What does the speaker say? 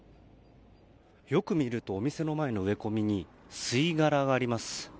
よく見るとお店の前の植え込みに吸い殻があります。